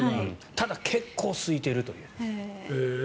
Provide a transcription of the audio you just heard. ただ結構すいているという。